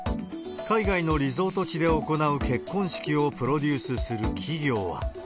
海外のリゾート地で行う結婚式をプロデュースする企業は。